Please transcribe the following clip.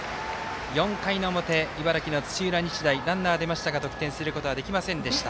４回の表、茨城の土浦日大ランナー、出ましたが得点することができませんでした。